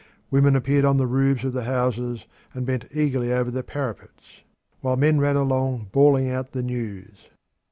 Women appeared on the roofs of the houses and bent eagerly over the parapets, while men ran along bawling out the news.